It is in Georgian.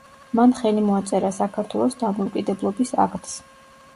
მან ხელი მოაწერა საქართველოს დამოუკიდებლობის აქტს.